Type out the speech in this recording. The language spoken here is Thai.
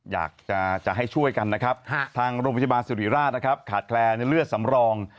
อยากจะให้ช่วยกันนะครับทางโรงพยาบาลสุริราชนะครับขาดแคลนเลือดสำรอง